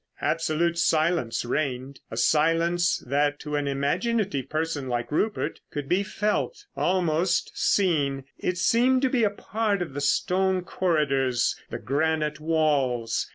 Absolute silence reigned, a silence that to an imaginative person like Rupert could be felt, almost seen. It seemed to be part of the stone corridors, the granite walls.